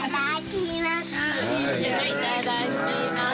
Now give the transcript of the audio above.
いただきます。